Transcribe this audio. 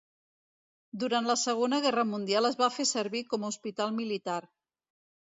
Durant la Segona Guerra Mundial es va fer servir com a hospital militar.